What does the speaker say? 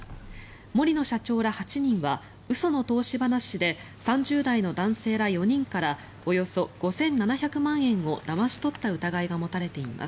森野社長ら８人は嘘の投資話で３０代の男性ら４人からおよそ５７００万円をだまし取った疑いが持たれています。